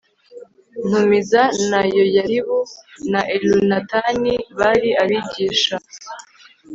ntumiza na yoyaribu na elunatani bari abigisha